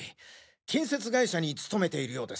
建設会社に勤めているようです。